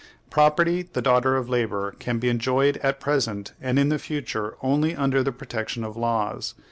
"Property, the daughter of labor, can be enjoyed at present and in the future only under the protection of the laws.